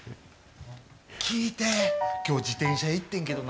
聞いて、きょう、自転車屋行ってんけどな、